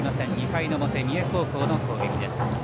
２回表、三重高校の攻撃です。